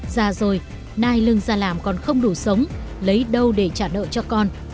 già rồi nai lưng ra làm còn không đủ sống lấy đâu để trả nợ cho con